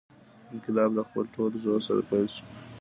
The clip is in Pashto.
انقلاب له خپل ټول زور سره پیل شو.